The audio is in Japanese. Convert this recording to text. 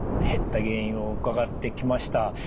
減った原因を伺ってきました。